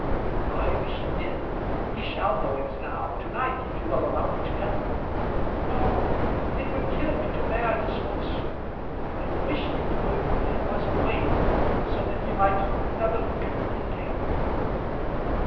"I wish he did. He shall know it now, to night, if you will allow me to tell him." "No. It would kill me to bear his looks. I wish he knew it, and was away, so that he might never look at me again."